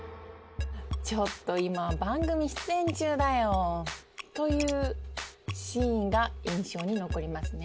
ちょっと今番組出演中だよというシーンが印象に残りますね